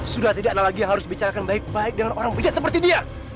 sudah tidak ada lagi yang harus dibicarakan baik baik dengan orang bijak seperti dia